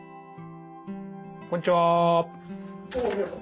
こんにちは。